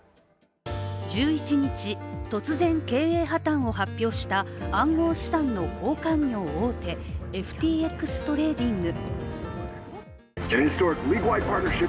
１１日、突然経営破たんを発表した暗号資産の交換業大手・ＦＴＸトレーディング。